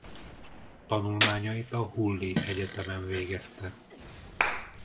Tanulmányait a Hulli Egyetemen végezte.